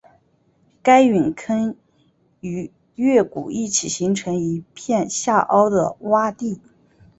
该陨坑与月谷一起形成一片下凹的洼地。